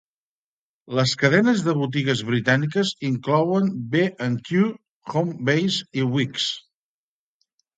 Les cadenes de botigues britàniques inclouen B and Q, Homebase i Wickes.